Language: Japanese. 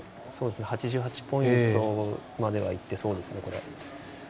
８８ポイントまではいってそうですね、これ。